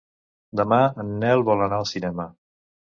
Demà en Nel vol anar al cinema.